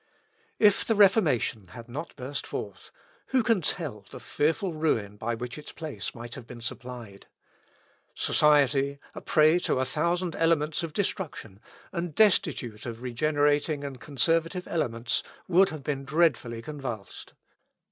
If the Reformation had not burst forth, who can tell the fearful ruin by which its place might have been supplied? Society, a prey to a thousand elements of destruction, and destitute of regenerating and conservative elements, would have been dreadfully convulsed.